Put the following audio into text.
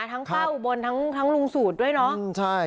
ทั้งป้าอุบลทั้งลุงสุดด้วย